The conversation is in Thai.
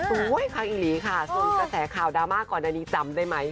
ทางอีหลีค่ะส่วนกระแสข่าวดราม่าก่อนอันนี้จำได้ไหม